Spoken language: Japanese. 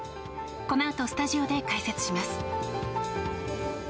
このあとスタジオで解説します。